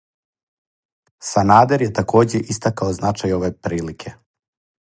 Санадер је такође истакао значај ове прилике.